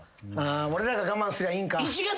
俺らが我慢すりゃいいんか。